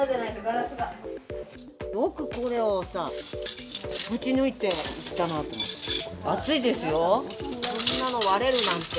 よくこれをさ、ぶち抜いていったなって。